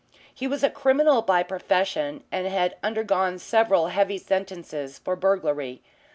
He was a criminal by profession and had undergone several heavy sentences for burglary.